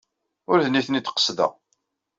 Ur d nitenti ay d-qesdeɣ.